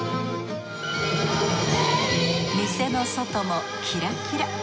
店の外もキラキラ。